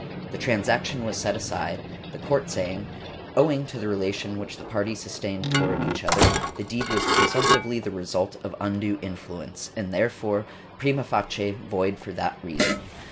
The transaction was set aside, the Court saying: "Owing to the relation which the parties sustained towards each other, the deed was presumptively the result of undue influence, and therefore prima facie void for that reason.